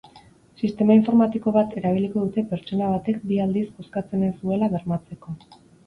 Sistema informatiko bat erabiliko dute pertsona batek bi aldiz bozkatzen ez duela bermatzeko.